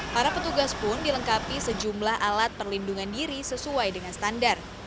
para petugas pun dilengkapi sejumlah alat perlindungan diri sesuai dengan standar